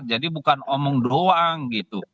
jadi bukan omong doang gitu